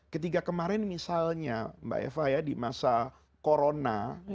ketika kemarin misalnya mbak eva ya di masa corona